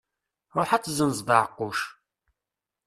Ruḥ ad tezzenzeḍ aɛeqquc.